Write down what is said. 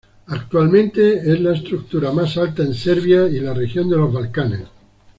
Actualmente es la estructura más alta en Serbia y la región de los Balcanes.